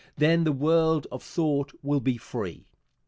Then the world of thought will be free.